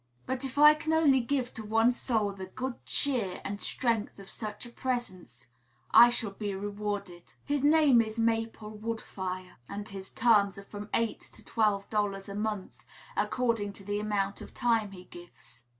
But, if I can only give to one soul the good cheer and strength of such a presence, I shall be rewarded. His name is Maple Wood fire, and his terms are from eight to twelve dollars a month, according to the amount of time he gives.